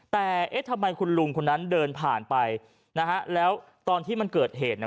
แต่เอ๊ะทำไมคุณลุงคนนั้นเดินผ่านไปแล้วตอนที่มันเกิดเหตุ